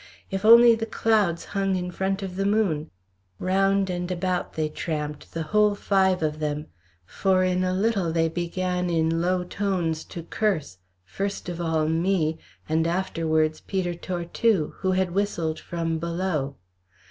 If only the clouds hung in front of the moon! Round and about they tramped the whole five of them. For in a little they began in low tones to curse, first of all me, and afterwards Peter Tortue, who had whistled from below.